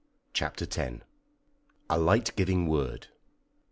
CHAPTER X. A LIGHT GIVING WORD.